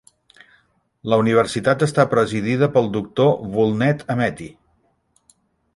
La Universitat està presidida pel doctor Vullnet Ameti.